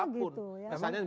harga matinya dimana gitu ya